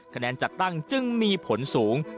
คะแนนจัดตั้งจึงมีผลสูง